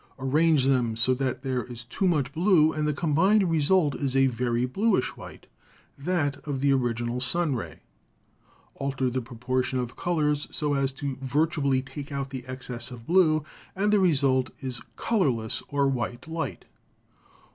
Arrange them so that there is too much blue, and the combined result is a very bluish white, that of the original sun ray. Alter the pro portion of colors so as to virtually take out the excess of blue, and the result is colorless or white light.